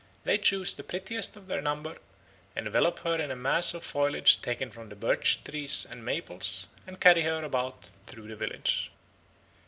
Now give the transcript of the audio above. They choose the prettiest of their number, envelop her in a mass of foliage taken from the birch trees and maples, and carry her about through the village.